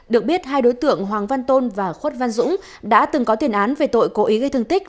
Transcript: được biết hai đối tượng hoàng văn tôn và khuất văn dũng đã từng có tiền án về tội cố ý gây thương tích